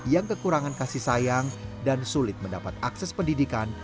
yang kekurangan kasih sayang dan sulit mendapat akses pendidikan